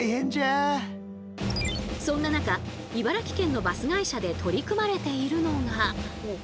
そんな中茨城県のバス会社で取り組まれているのが。